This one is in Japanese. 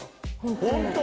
本当？